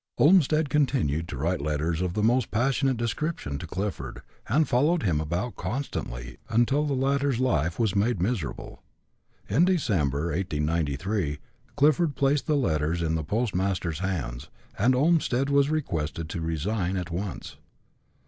Olmstead continued to write letters of the most passionate description to Clifford, and followed him about constantly until the latter's life was made miserable. In December, 1893, Clifford placed the letters in the postmaster's hands, and Olmstead was requested to resign at once.